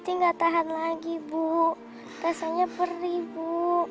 siti enggak tahan lagi bu rasanya perih bu